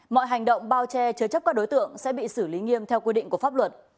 mọi hành động bao che chứa chấp các đối tượng sẽ bị xử lý nghiêm theo quy định của pháp luật